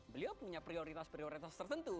beliau punya prioritas prioritas tertentu